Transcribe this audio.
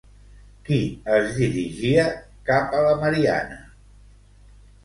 Qui es dirigia cap a la Marianna?